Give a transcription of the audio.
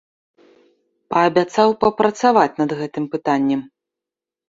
Паабяцаў папрацаваць над гэтым пытаннем.